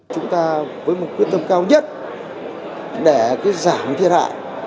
chúng ta với một quyết tâm cao nhất để giảm thiệt hại